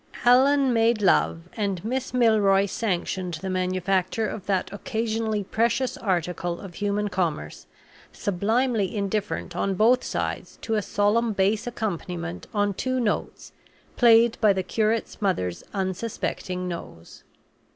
Allan made love, and Miss Milroy sanctioned the manufacture of that occasionally precious article of human commerce, sublimely indifferent on both sides to a solemn bass accompaniment on two notes, played by the curate's mother's unsuspecting nose.